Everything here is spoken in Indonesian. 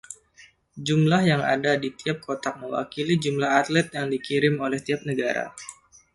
Jumlah yang ada di tiap kotak mewakili jumlah atlet yang dikirim oleh tiap negara.